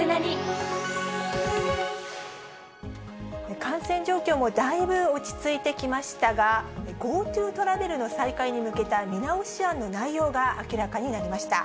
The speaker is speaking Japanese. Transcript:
感染状況もだいぶ落ち着いてきましたが、ＧｏＴｏトラベルの再開に向けた見直し案の内容が明らかになりました。